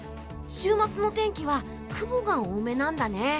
週末の天気は雲が多めなんだね。